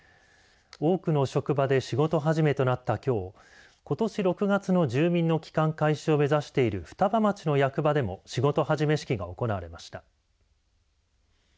多くの職場で仕事始めとなったきょうことし６月の住民の帰還開始を目指している双葉町の役場でも仕事始め式が行われました。